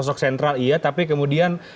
sosok sentral iya tapi kemudian